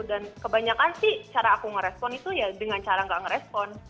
dan kebanyakan sih cara aku ngerespon itu ya dengan cara gak ngerespon